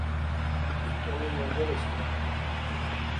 Une tournée mondiale a suivi.